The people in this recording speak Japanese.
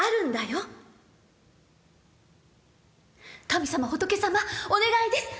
「神様仏様お願いです。